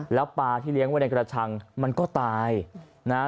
แล้วปลาที่เลี้ยงไว้ในกระชังมันก็ตายนะฮะ